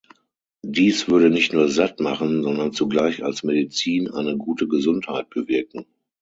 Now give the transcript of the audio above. Diese würde nicht nur satt macht, sondern zugleich als Medizin eine gute Gesundheit bewirken.